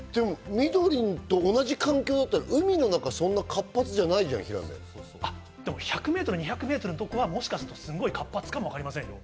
緑と同じ環境だったら、海の中そんなに活発じゃないじゃん、でも１００ｍ、２００ｍのところはすごい活発かもしれないですよ。